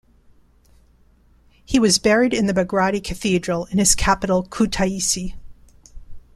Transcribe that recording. He was buried in the Bagrati Cathedral in his capital Kutaisi.